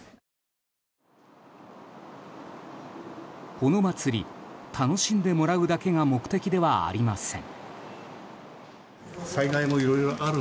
この祭り楽しんでもらうだけが目的ではありません。